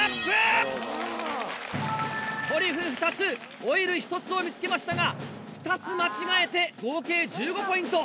トリュフ２つオイル１つを見つけましたが２つ間違えて合計１５ポイント。